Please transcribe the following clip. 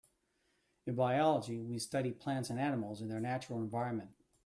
In biology we study plants and animals in their natural environment.